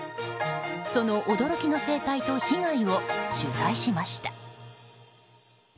その驚きの生態と被害を取材しました。